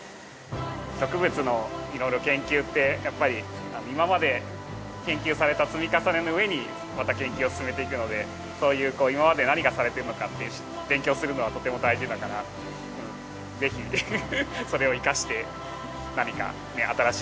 植物のいろいろ研究ってやっぱり今まで研究された積み重ねの上にまた研究を進めていくのでそういう今まで何がされてるのかって勉強するのはとても大事だからぜひそれを生かして何かね新しい事ができるといいですね。